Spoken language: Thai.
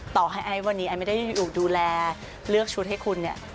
ต่อให้ไอซ์วันนี้ไอไม่ได้อยู่ดูแลเลือกชุดให้คุณเนี่ย